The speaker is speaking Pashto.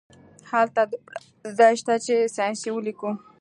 هلته دومره ځای شته چې ساینسي ولیکو